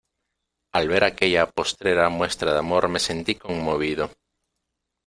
al ver aquella postrera muestra de amor me sentí conmovido.